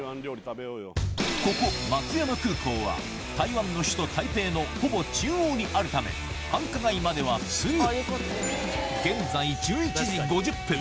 ここ松山空港は台湾の首都・台北のほぼ中央にあるため繁華街まではすぐ！